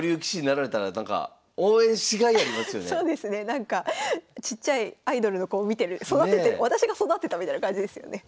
なんかちっちゃいアイドルの子を見てる私が育てたみたいな感じですよね。